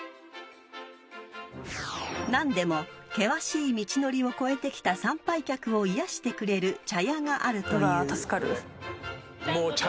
［なんでも険しい道のりを越えてきた参拝客を癒やしてくれる茶屋があるという］